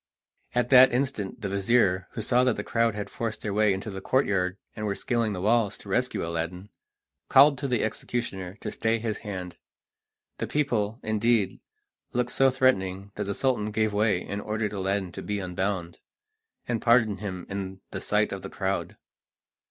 At that instant the vizir, who saw that the crowd had forced their way into the courtyard and were scaling the walls to rescue Aladdin, called to the executioner to stay his hand. The people, indeed, looked so threatening that the Sultan gave way and ordered Aladdin to be unbound, and pardoned him in the sight of the crowd.